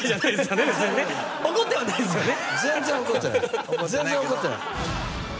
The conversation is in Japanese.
怒ってはないですよね？